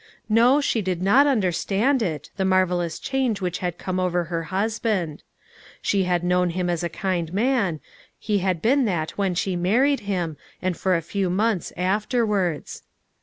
No, she did not understand it, the marvelous change which had come over her husband. She had known him as a kind man ; he had been that when she married him, and for a few months afterwards.